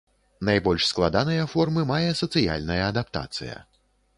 Найбольш складаныя формы мае сацыяльная адаптацыя.